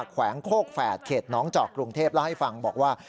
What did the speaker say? แขวงโคกแฝดเขตน้องจอกกรุงเทพเล่าให้ฟังบอกว่า